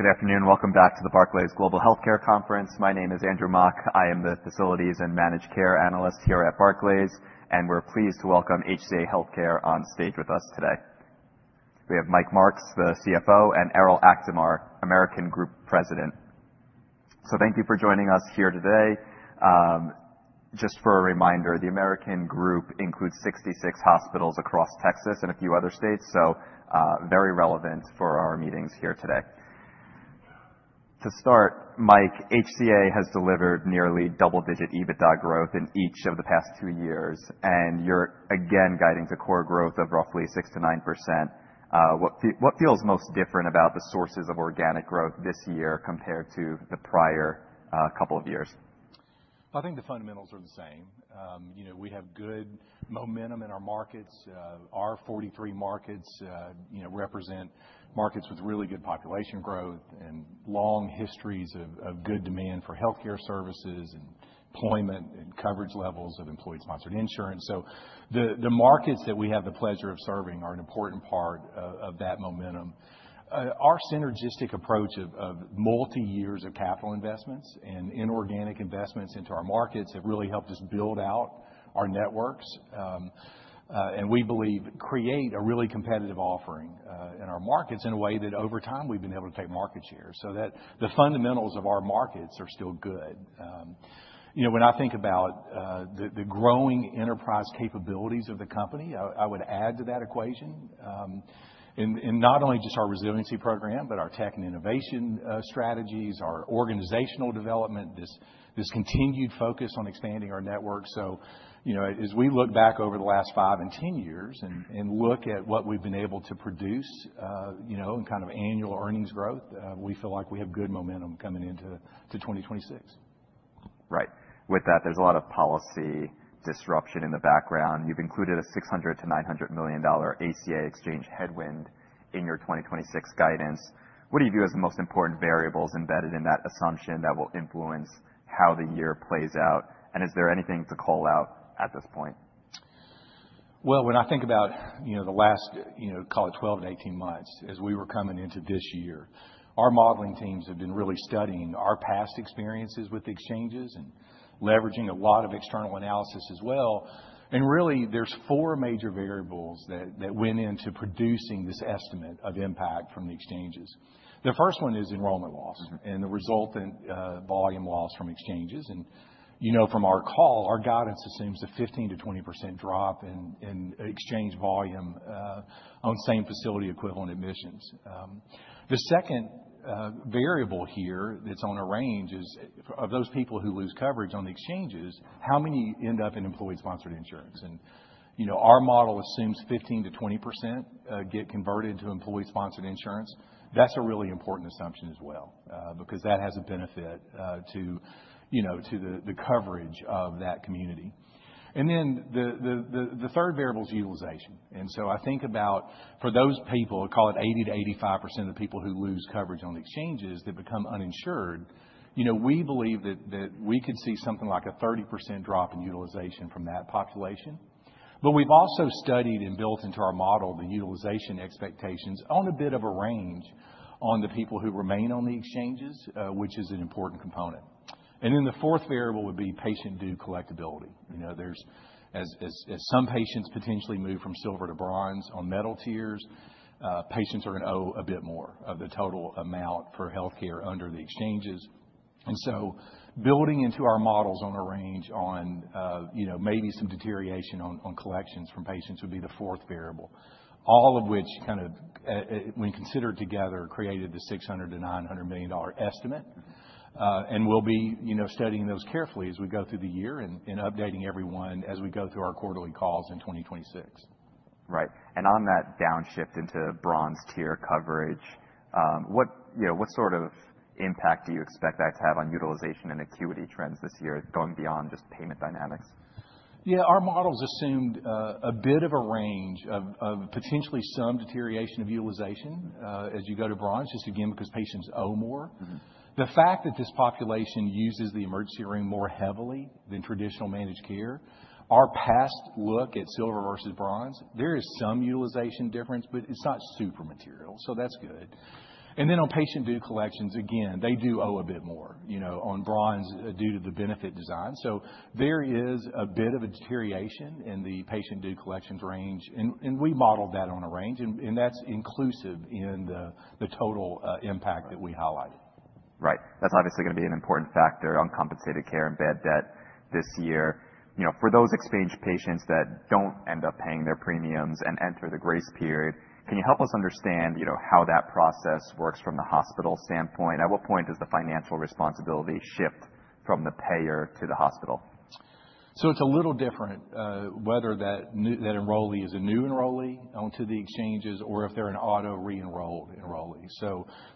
Good afternoon. Welcome back to the Barclays Global Healthcare Conference. My name is Andrew Mok. I am the Facilities and Managed Care Analyst here at Barclays, and we're pleased to welcome HCA Healthcare on stage with us today. We have Mike Marks, the CFO, and Erol Akdamar, American Group President. Thank you for joining us here today. Just for a reminder, the American Group includes 66 hospitals across Texas and a few other states, so very relevant for our meetings here today. To start, Mike, HCA has delivered nearly double-digit EBITDA growth in each of the past two years, and you're again guiding to core growth of roughly 6%-9%. What feels most different about the sources of organic growth this year compared to the prior couple of years? I think the fundamentals are the same. You know, we have good momentum in our markets. Our 43 markets, you know, represent markets with really good population growth and long histories of good demand for health care services and employment and coverage levels of employee-sponsored insurance. The markets that we have the pleasure of serving are an important part of that momentum. Our synergistic approach of multi-years of capital investments and inorganic investments into our markets have really helped us build out our networks, and we believe create a really competitive offering, in our markets in a way that over time, we've been able to take market share so that the fundamentals of our markets are still good. You know, when I think about the growing enterprise capabilities of the company, I would add to that equation, in not only just our resiliency program, but our tech and innovation strategies, our organizational development, this continued focus on expanding our network. You know, as we look back over the last five and 10 years and look at what we've been able to produce, you know, in kind of annual earnings growth, we feel like we have good momentum coming into 2026. Right. With that, there's a lot of policy disruption in the background. You've included a $600 million-$900 million ACA exchange headwind in your 2026 guidance. What do you view as the most important variables embedded in that assumption that will influence how the year plays out? Is there anything to call out at this point? Well, when I think about, you know, the last, you know, call it 12-18 months, as we were coming into this year, our modeling teams have been really studying our past experiences with exchanges and leveraging a lot of external analysis as well. Really, there's four major variables that went into producing this estimate of impact from the exchanges. The first one is enrollment loss- Mm-hmm. The resultant volume loss from exchanges. You know, from our call, our guidance assumes a 15%-20% drop in exchange volume on same facility equivalent admissions. The second variable here that's on a range is of those people who lose coverage on the exchanges, how many end up in employee-sponsored insurance? You know, our model assumes 15%-20% get converted to employee-sponsored insurance. That's a really important assumption as well, because that has a benefit to you know to the third variable is utilization. I think about for those people, call it 80%-85% of people who lose coverage on exchanges that become uninsured, you know, we believe that we could see something like a 30% drop in utilization from that population. We've also studied and built into our model the utilization expectations on a bit of a range on the people who remain on the exchanges, which is an important component. The fourth variable would be patient dues collectibility. You know, there's as some patients potentially move from silver to bronze on metal tiers, patients are gonna owe a bit more of the total amount for healthcare under the exchanges. Building into our models on a range on, you know, maybe some deterioration on collections from patients would be the fourth variable. All of which kind of, when considered together, created the $600 million-$900 million estimate. We'll be, you know, studying those carefully as we go through the year and updating everyone as we go through our quarterly calls in 2026. Right. On that downshift into bronze tier coverage, you know, what sort of impact do you expect that to have on utilization and acuity trends this year, going beyond just payment dynamics? Yeah, our models assumed a bit of a range of potentially some deterioration of utilization as you go to bronze, just again, because patients owe more. Mm-hmm. The fact that this population uses the emergency room more heavily than traditional managed care, our past look at silver versus bronze, there is some utilization difference, but it's not super material, so that's good. Then on patient due collections, again, they do owe a bit more, you know, on bronze due to the benefit design. There is a bit of a deterioration in the patient due collections range, and we modeled that on a range, and that's inclusive in the total impact that we highlighted. Right. That's obviously gonna be an important factor in uncompensated care and bad debt this year. You know, for those exchange patients that don't end up paying their premiums and enter the grace period, can you help us understand, you know, how that process works from the hospital standpoint? At what point does the financial responsibility shift from the payer to the hospital? It's a little different whether that enrollee is a new enrollee onto the exchanges or if they're an auto re-enrolled enrollee.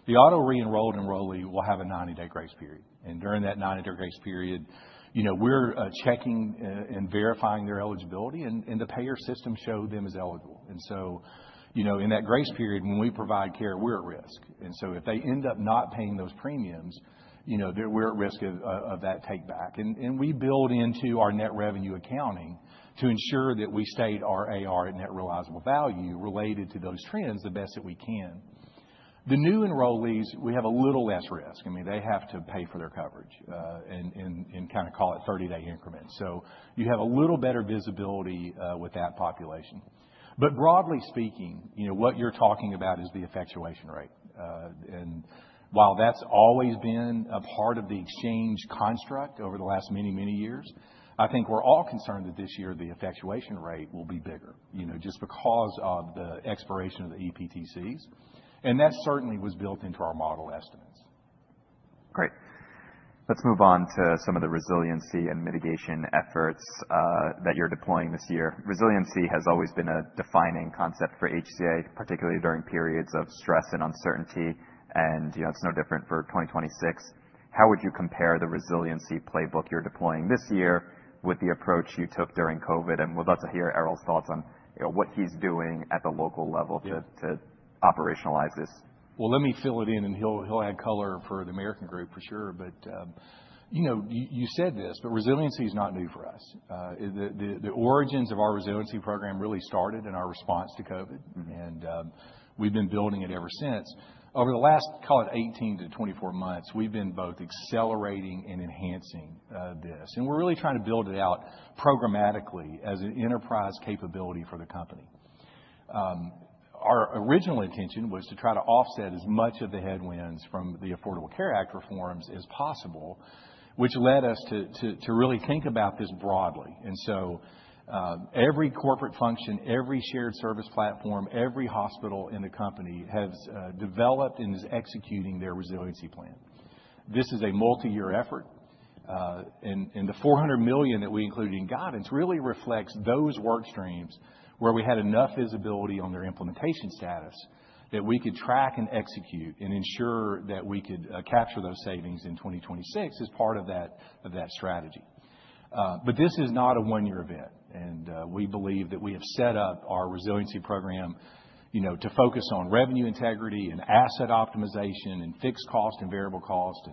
The auto re-enrolled enrollee will have a 90-day grace period, and during that 90-day grace period, you know, we're checking and verifying their eligibility and the payer system show them as eligible. You know, in that grace period, when we provide care, we're at risk. If they end up not paying those premiums, you know, we're at risk of that take back. We build into our net revenue accounting to ensure that we state our AR and net realizable value related to those trends the best that we can. The new enrollees, we have a little less risk. I mean, they have to pay for their coverage in kind of call it 30-day increments. So you have a little better visibility with that population. But broadly speaking, you know, what you're talking about is the effectuation rate. While that's always been a part of the exchange construct over the last many years, I think we're all concerned that this year the effectuation rate will be bigger, you know, just because of the expiration of the ePTCs, and that certainly was built into our model estimates. Great. Let's move on to some of the resiliency and mitigation efforts that you're deploying this year. Resiliency has always been a defining concept for HCA, particularly during periods of stress and uncertainty, and, you know, it's no different for 2026. How would you compare the resiliency playbook you're deploying this year with the approach you took during COVID? We'd love to hear Erol's thoughts on, you know, what he's doing at the local level to operationalize this. Well, let me fill it in, and he'll add color for the American Group for sure. You know, you said this, but resiliency is not new for us. The origins of our resiliency program really started in our response to COVID. Mm-hmm. We've been building it ever since. Over the last, call it 18-24 months, we've been both accelerating and enhancing this, and we're really trying to build it out programmatically as an enterprise capability for the company. Our original intention was to try to offset as much of the headwinds from the Affordable Care Act reforms as possible, which led us to really think about this broadly. Every corporate function, every shared service platform, every hospital in the company has developed and is executing their resiliency plan. This is a multi-year effort, and the $400 million that we include in guidance really reflects those work streams where we had enough visibility on their implementation status that we could track and execute and ensure that we could capture those savings in 2026 as part of that strategy. This is not a one-year event, and we believe that we have set up our resiliency program, you know, to focus on revenue integrity and asset optimization and fixed cost and variable cost,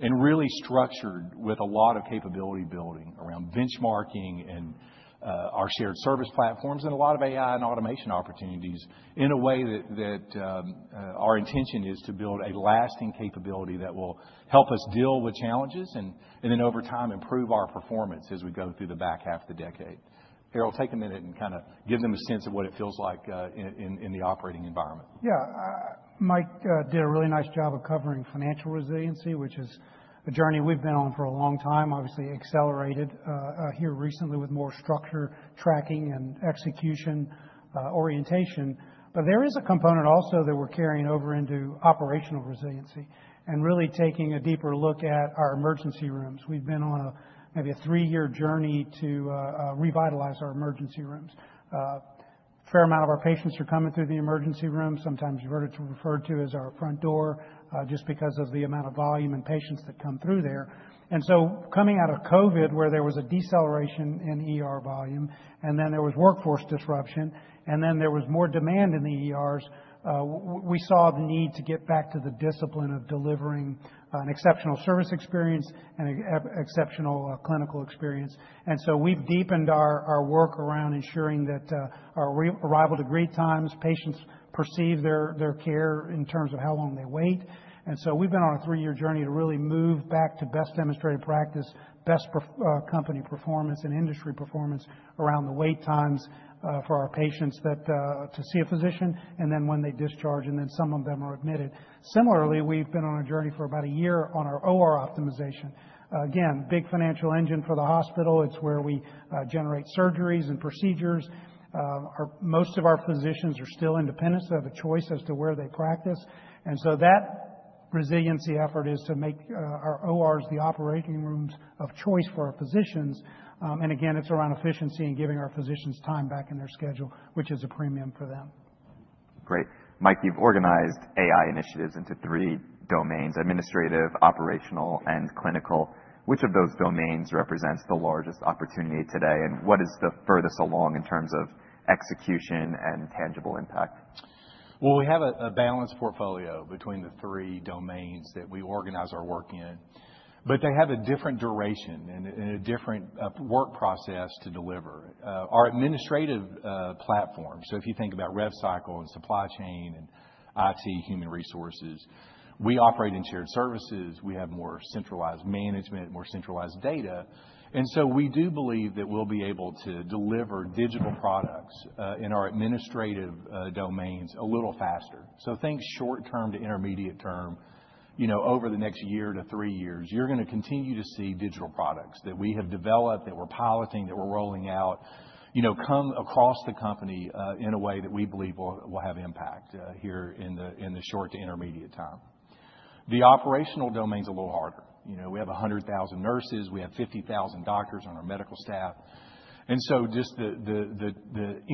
and really structured with a lot of capability building around benchmarking and our shared service platforms, and a lot of AI and automation opportunities in a way that our intention is to build a lasting capability that will help us deal with challenges and then over time, improve our performance as we go through the back half of the decade. Erol, take a minute and kinda give them a sense of what it feels like in the operating environment. Yeah. Mike did a really nice job of covering financial resiliency, which is a journey we've been on for a long time, obviously accelerated here recently with more structured tracking and execution orientation. There is a component also that we're carrying over into operational resiliency and really taking a deeper look at our emergency rooms. We've been on maybe a three-year journey to revitalize our emergency rooms. A fair amount of our patients are coming through the emergency room, sometimes referred to as our front door, just because of the amount of volume and patients that come through there. Coming out of COVID, where there was a deceleration in ER volume, and then there was workforce disruption, and then there was more demand in the ERs, we saw the need to get back to the discipline of delivering an exceptional service experience and exceptional clinical experience. We've deepened our work around ensuring that our arrival to greet times, patients perceive their care in terms of how long they wait. We've been on a three-year journey to really move back to best demonstrated practice, company performance and industry performance around the wait times for our patients to see a physician and then when they discharge, and then some of them are admitted. Similarly, we've been on a journey for about a year on our OR optimization. Again, big financial engine for the hospital. It's where we generate surgeries and procedures. Most of our physicians are still independent, so have a choice as to where they practice. That resiliency effort is to make our ORs the operating rooms of choice for our physicians. Again, it's around efficiency and giving our physicians time back in their schedule, which is a premium for them. Great. Mike, you've organized AI initiatives into three domains: administrative, operational, and clinical. Which of those domains represents the largest opportunity today, and what is the furthest along in terms of execution and tangible impact? Well, we have a balanced portfolio between the three domains that we organize our work in, but they have a different duration and a different work process to deliver. Our administrative platform, so if you think about rev cycle and supply chain and IT, human resources, we operate in shared services. We have more centralized management, more centralized data, and so we do believe that we'll be able to deliver digital products in our administrative domains a little faster. Think short term to intermediate term. You know, over the next year to three years, you're gonna continue to see digital products that we have developed, that we're piloting, that we're rolling out, you know, come across the company in a way that we believe will have impact here in the short to intermediate term. The operational domain's a little harder. You know, we have 100,000 nurses, we have 50,000 doctors on our medical staff, and so just the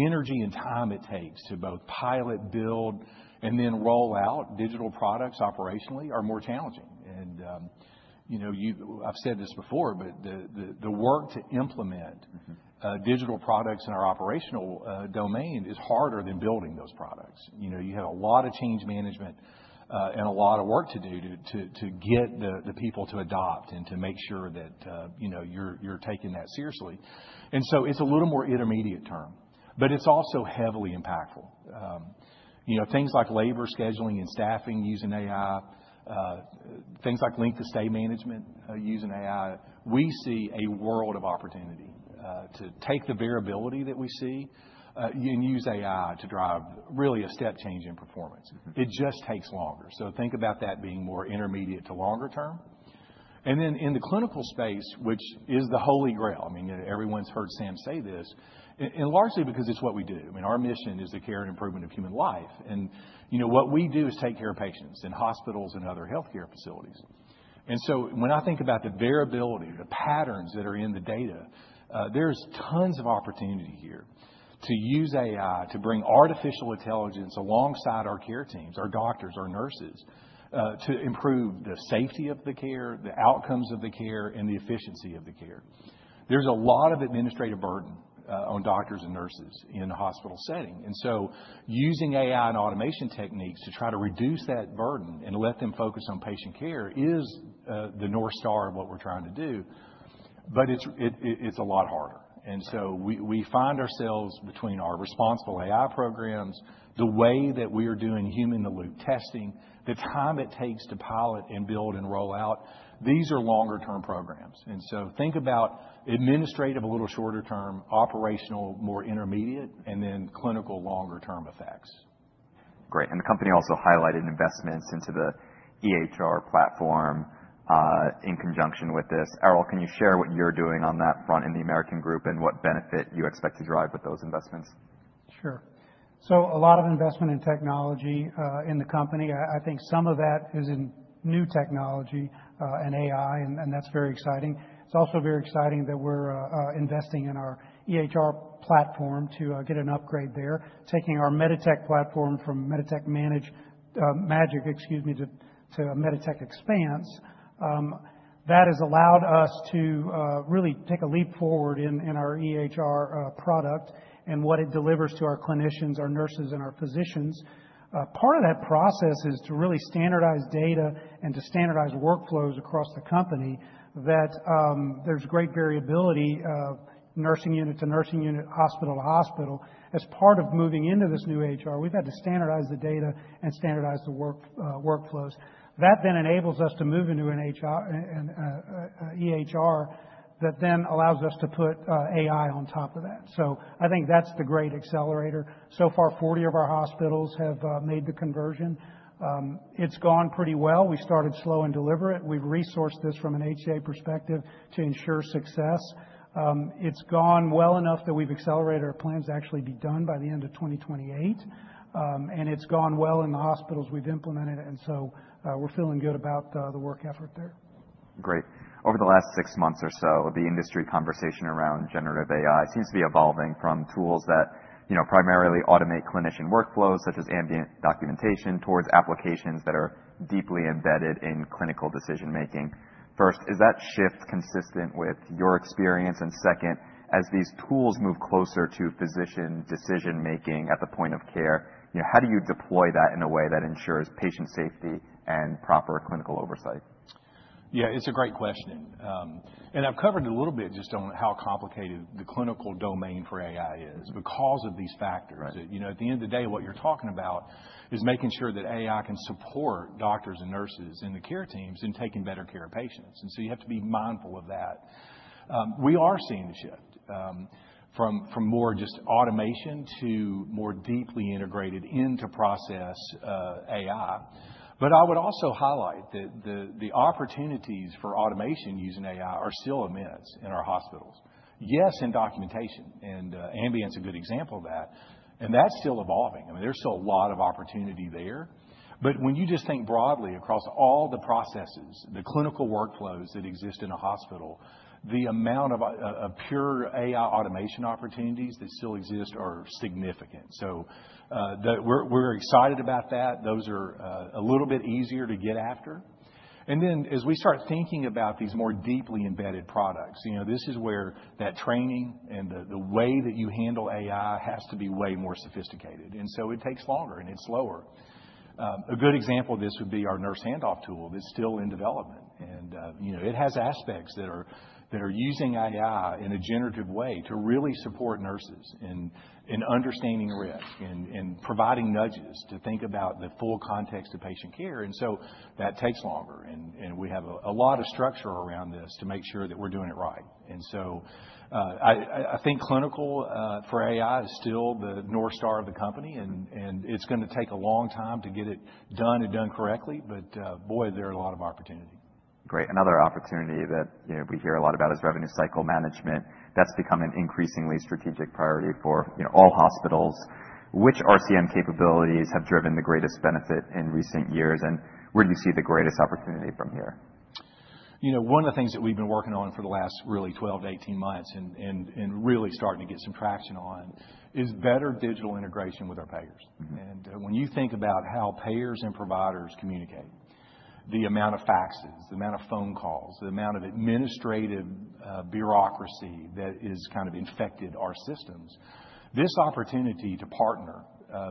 energy and time it takes to both pilot, build, and then roll out digital products operationally are more challenging. You know, I've said this before, but the work to implement. Mm-hmm. Digital products in our operational domain is harder than building those products. You know, you have a lot of change management and a lot of work to do to get the people to adopt and to make sure that, you know, you're taking that seriously. It's a little more intermediate term, but it's also heavily impactful. You know, things like labor scheduling and staffing using AI, things like length of stay management using AI, we see a world of opportunity to take the variability that we see and use AI to drive really a step change in performance. Mm-hmm. It just takes longer. Think about that being more intermediate to longer term. In the clinical space, which is the Holy Grail, I mean, everyone's heard Sam say this, and largely because it's what we do. I mean, our mission is the care and improvement of human life. You know, what we do is take care of patients in hospitals and other healthcare facilities. When I think about the variability, the patterns that are in the data, there's tons of opportunity here to use AI, to bring artificial intelligence alongside our care teams, our doctors, our nurses, to improve the safety of the care, the outcomes of the care, and the efficiency of the care. There's a lot of administrative burden on doctors and nurses in a hospital setting. Using AI and automation techniques to try to reduce that burden and let them focus on patient care is the North Star of what we're trying to do. It's a lot harder. We find ourselves between our responsible AI programs, the way that we are doing human-in-the-loop testing, the time it takes to pilot and build and roll out. These are longer term programs. Think about administrative, a little shorter term, operational, more intermediate, and then clinical, longer term effects. Great. The company also highlighted investments into the EHR platform, in conjunction with this. Erol, can you share what you're doing on that front in the American Group, and what benefit you expect to drive with those investments? Sure. A lot of investment in technology in the company. I think some of that is in new technology and AI, and that's very exciting. It's also very exciting that we're investing in our EHR platform to get an upgrade there, taking our Meditech platform from MEDITECH Magic to MEDITECH Expanse. That has allowed us to really take a leap forward in our EHR product and what it delivers to our clinicians, our nurses, and our physicians. Part of that process is to really standardize data and to standardize workflows across the company that there's great variability of nursing unit to nursing unit, hospital to hospital. As part of moving into this new EHR, we've had to standardize the data and standardize the workflows. That then enables us to move into an EHR that then allows us to put AI on top of that. I think that's the great accelerator. So far, 40 of our hospitals have made the conversion. It's gone pretty well. We started slow and deliberate. We've resourced this from an HCA perspective to ensure success. It's gone well enough that we've accelerated our plans to actually be done by the end of 2028. It's gone well in the hospitals we've implemented, and we're feeling good about the work effort there. Great. Over the last six months or so, the industry conversation around generative AI seems to be evolving from tools that, you know, primarily automate clinician workflows, such as ambient documentation, towards applications that are deeply embedded in clinical decision-making. First, is that shift consistent with your experience? Second, as these tools move closer to physician decision-making at the point of care, you know, how do you deploy that in a way that ensures patient safety and proper clinical oversight? Yeah, it's a great question. I've covered a little bit just on how complicated the clinical domain for AI is because of these factors. Right. You know, at the end of the day, what you're talking about is making sure that AI can support doctors and nurses and the care teams in taking better care of patients. You have to be mindful of that. We are seeing a shift from more just automation to more deeply integrated into process AI. But I would also highlight that the opportunities for automation using AI are still immense in our hospitals. Yes, in documentation, and Ambient's a good example of that, and that's still evolving. I mean, there's still a lot of opportunity there. But when you just think broadly across all the processes, the clinical workflows that exist in a hospital, the amount of pure AI automation opportunities that still exist are significant. We're excited about that. Those are a little bit easier to get after. As we start thinking about these more deeply embedded products, you know, this is where that training and the way that you handle AI has to be way more sophisticated. It takes longer, and it's slower. A good example of this would be our nurse handoff tool that's still in development. You know, it has aspects that are using AI in a generative way to really support nurses in understanding risk and providing nudges to think about the full context of patient care. That takes longer, and we have a lot of structure around this to make sure that we're doing it right. I think clinical AI is still the North Star of the company, and it's gonna take a long time to get it done and done correctly. Boy, there are a lot of opportunity. Great. Another opportunity that, you know, we hear a lot about is revenue cycle management. That's become an increasingly strategic priority for, you know, all hospitals. Which RCM capabilities have driven the greatest benefit in recent years, and where do you see the greatest opportunity from here? You know, one of the things that we've been working on for the last, really, 12-18 months and really starting to get some traction on is better digital integration with our payers. Mm-hmm. When you think about how payers and providers communicate, the amount of faxes, the amount of phone calls, the amount of administrative bureaucracy that has kind of infected our systems, this opportunity to partner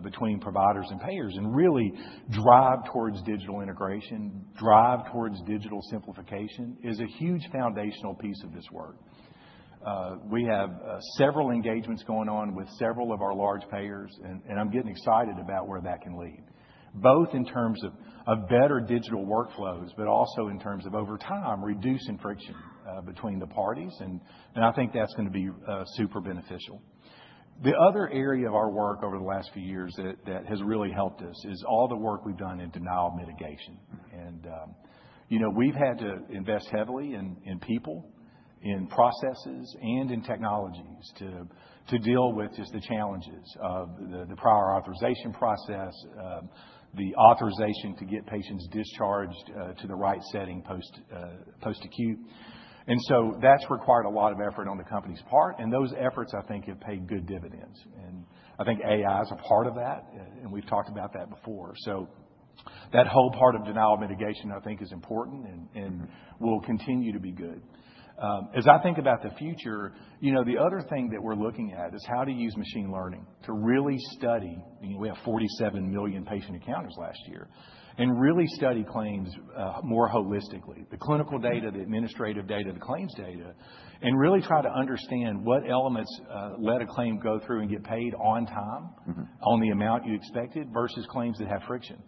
between providers and payers and really drive towards digital integration, drive towards digital simplification, is a huge foundational piece of this work. We have several engagements going on with several of our large payers, and I'm getting excited about where that can lead, both in terms of better digital workflows, but also in terms of over time, reducing friction between the parties. I think that's gonna be super beneficial. The other area of our work over the last few years that has really helped us is all the work we've done in denial mitigation. You know, we've had to invest heavily in people, in processes, and in technologies to deal with just the challenges of the prior authorization process, the authorization to get patients discharged to the right setting post-acute. That's required a lot of effort on the company's part, and those efforts, I think, have paid good dividends. I think AI is a part of that, and we've talked about that before. That whole part of denial mitigation, I think, is important and will continue to be good. As I think about the future, you know, the other thing that we're looking at is how to use machine learning to really study. I mean, we had 47 million patient encounters last year. Really study claims more holistically. The clinical data, the administrative data, the claims data, and really try to understand what elements let a claim go through and get paid on time- Mm-hmm. -on the amount you expected, versus claims that have friction.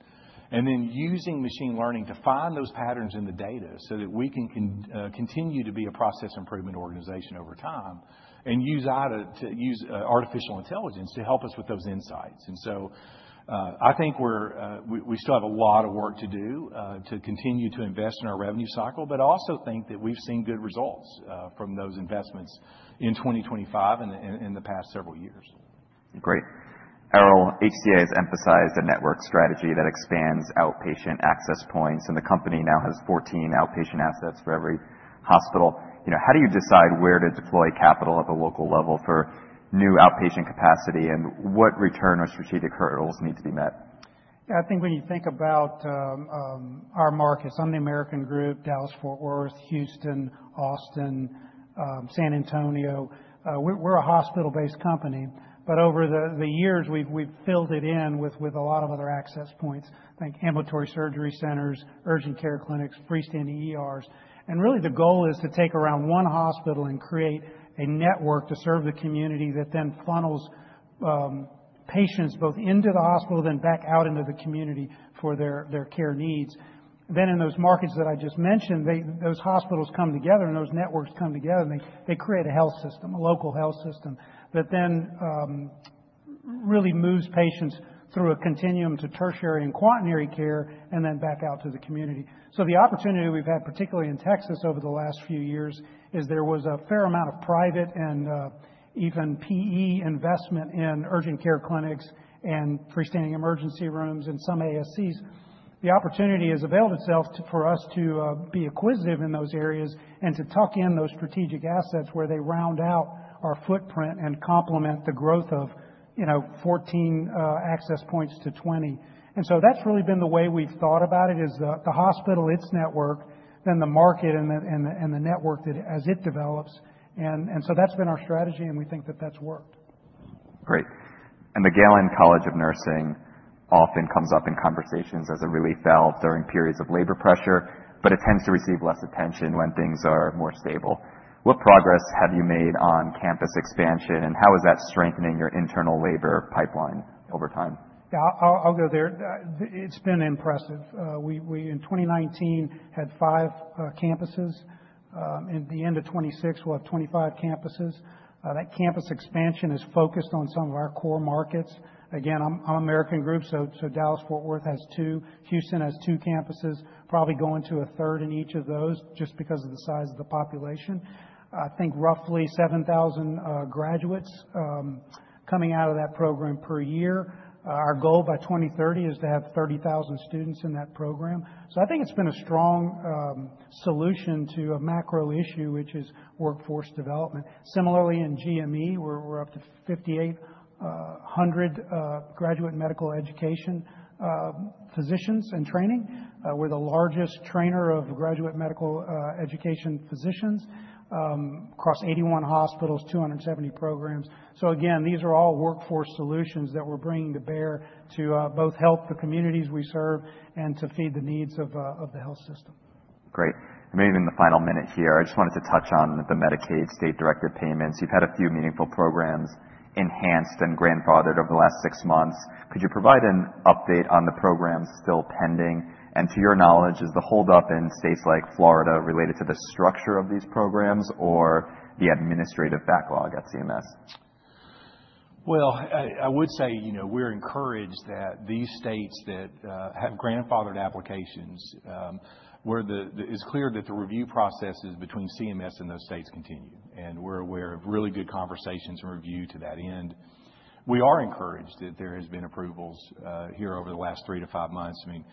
Using machine learning to find those patterns in the data so that we can continue to be a process improvement organization over time, and use artificial intelligence to help us with those insights. I think we still have a lot of work to do to continue to invest in our revenue cycle, but also think that we've seen good results from those investments in 2025 and in the past several years. Great. Erol, HCA has emphasized a network strategy that expands outpatient access points, and the company now has 14 outpatient assets for every hospital. You know, how do you decide where to deploy capital at the local level for new outpatient capacity, and what return or strategic hurdles need to be met? Yeah, I think when you think about our markets, some of the American Group, Dallas-Fort Worth, Houston, Austin, San Antonio, we're a hospital-based company, but over the years, we've filled it in with a lot of other access points, like ambulatory surgery centers, urgent care clinics, freestanding ERs. Really the goal is to take around one hospital and create a network to serve the community that then funnels patients both into the hospital then back out into the community for their care needs. In those markets that I just mentioned, those hospitals come together and those networks come together, and they create a health system, a local health system, that then really moves patients through a continuum to tertiary and quaternary care and then back out to the community. The opportunity we've had, particularly in Texas over the last few years, is that there was a fair amount of private and even PE investment in urgent care clinics and freestanding emergency rooms and some ASCs. The opportunity has availed itself to us to be acquisitive in those areas and to tuck in those strategic assets where they round out our footprint and complement the growth of, you know, 14 access points to 20. That's really been the way we've thought about it, is the hospital, its network, then the market and the network that as it develops. That's been our strategy, and we think that that's worked. Great. The Galen College of Nursing often comes up in conversations as a relief valve during periods of labor pressure, but it tends to receive less attention when things are more stable. What progress have you made on campus expansion, and how is that strengthening your internal labor pipeline over time? Yeah, I'll go there. It's been impressive. In 2019, we had five campuses. In the end of 2026, we'll have 25 campuses. That campus expansion is focused on some of our core markets. Again, I'm American Group, so Dallas-Fort Worth has two. Houston has two campuses, probably going to a third in each of those just because of the size of the population. I think roughly 7,000 graduates coming out of that program per year. Our goal by 2030 is to have 30,000 students in that program. I think it's been a strong solution to a macro issue, which is workforce development. Similarly, in GME, we're up to 5,800 graduate medical education physicians in training. We're the largest trainer of graduate medical education physicians across 81 hospitals, 270 programs. Again, these are all workforce solutions that we're bringing to bear to both help the communities we serve and to feed the needs of the health system. Great. I'm using the final minute here. I just wanted to touch on the Medicaid state-directed payments. You've had a few meaningful programs enhanced and grandfathered over the last six months. Could you provide an update on the programs still pending? To your knowledge, is the holdup in states like Florida related to the structure of these programs or the administrative backlog at CMS? Well, I would say, you know, we're encouraged that these states that have grandfathered applications, where it's clear that the review processes between CMS and those states continue, and we're aware of really good conversations and review to that end. We are encouraged that there has been approvals here over the last three to five months. I mean,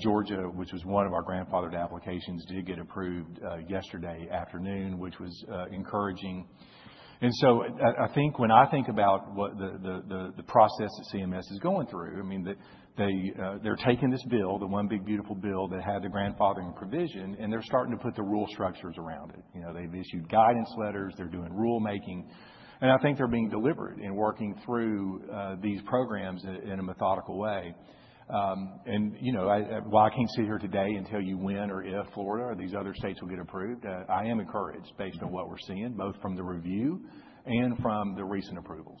Georgia, which was one of our grandfathered applications, did get approved yesterday afternoon, which was encouraging. I think about what the process that CMS is going through. I mean, they're taking this bill, the One Big Beautiful Bill that had the grandfathering provision, and they're starting to put the rule structures around it. You know, they've issued guidance letters. They're doing rulemaking. I think they're being deliberate in working through these programs in a methodical way. You know, while I can't sit here today and tell you when or if Florida or these other states will get approved, I am encouraged based on what we're seeing, both from the review and from the recent approvals.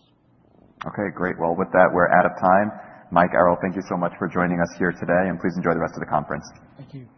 Okay, great. Well, with that, we're out of time. Mike, Erol, thank you so much for joining us here today, and please enjoy the rest of the conference. Thank you.